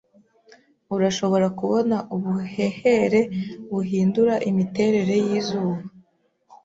urashobora kubona ubuhehere buhindura imiterere yizuba.